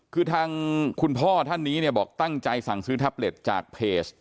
คือทางคุณพ่อท่านนี้เนี่ยบอกตั้งใจสั่งซื้อแท็บเล็ตจากเพจ